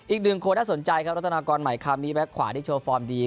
อีกหนึ่งคนน่าสนใจครับรัฐนากรใหม่คามีแบ็คขวาที่โชว์ฟอร์มดี